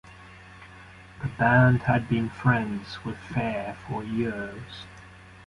The band had been friends with Fair for years.